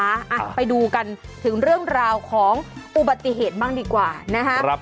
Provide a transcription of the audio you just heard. อ่ะไปดูกันถึงเรื่องราวของอุบัติเหตุบ้างดีกว่านะครับ